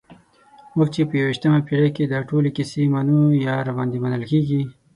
موږ چې په یویشتمه پېړۍ کې دا ټولې کیسې منو یا راباندې منل کېږي.